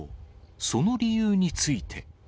その理由について。